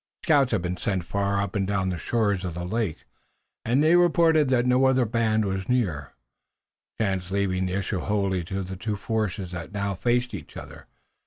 Scouts had been sent far up and down the shores of the lake, and they reported that no other band was near, chance leaving the issue wholly to the two forces that now faced each other.